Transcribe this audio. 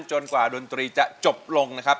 กว่าดนตรีจะจบลงนะครับ